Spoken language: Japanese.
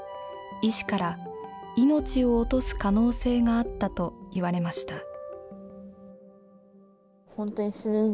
医師から命を落とす可能性があったと言われました。